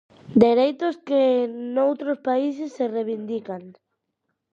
Dereitos que noutros países se reivindican.